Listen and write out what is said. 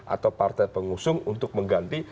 atau partai pengusung untuk mengganti